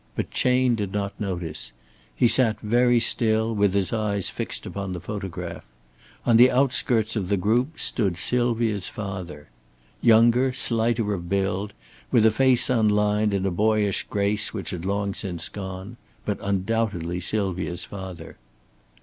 But Chayne did not notice. He sat very still, with his eyes fixed upon the photograph. On the outskirts of the group stood Sylvia's father. Younger, slighter of build, with a face unlined and a boyish grace which had long since gone but undoubtedly Sylvia's father.